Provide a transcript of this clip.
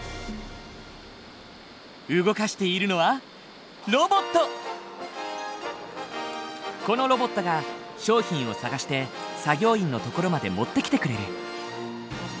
動かしているのはこのロボットが商品を探して作業員の所まで持ってきてくれる。